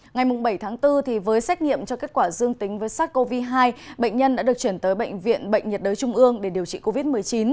ngày bảy tháng bốn với xét nghiệm cho kết quả dương tính với sars cov hai bệnh nhân đã được chuyển tới bệnh viện bệnh nhiệt đới trung ương để điều trị covid một mươi chín